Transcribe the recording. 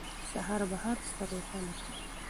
سهار به هر څه روښانه کړي.